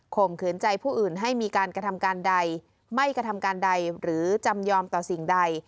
มขืนใจผู้อื่นให้มีการกระทำการใดไม่กระทำการใดหรือจำยอมต่อสิ่งใด